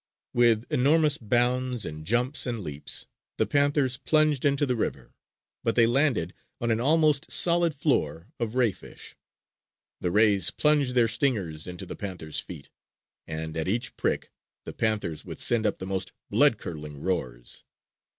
With enormous bounds and jumps and leaps, the panthers plunged into the river. But they landed on an almost solid floor of ray fish. The rays plunged their stingers into the panthers' feet, and at each prick the panthers would send up the most bloodcurdling roars.